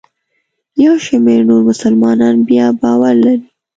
یو شمېر نور مسلمانان بیا باور لري.